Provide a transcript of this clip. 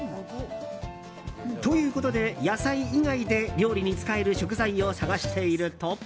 ということで、野菜以外で料理に使える食材を探していると。